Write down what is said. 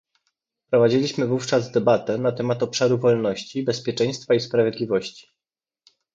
Prowadziliśmy wówczas debatę na temat obszaru wolności, bezpieczeństwa i sprawiedliwości